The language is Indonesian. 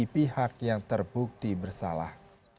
pihak yang terbukti bersalah